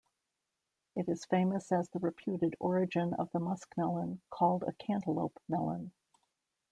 It is famous as the reputed origin of the muskmelon called a cantaloupe melon.